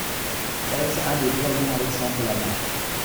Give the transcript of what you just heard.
treize allée Doyen Alexandre Lamache